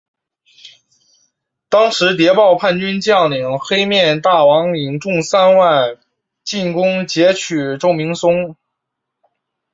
当时谍报叛军将领黑面大王领众三万进攻截取周明松。